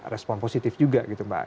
respon positif juga gitu mbak